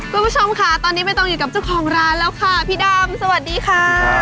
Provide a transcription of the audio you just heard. คุณผู้ชมค่ะตอนนี้ใบตองอยู่กับเจ้าของร้านแล้วค่ะพี่ดำสวัสดีค่ะ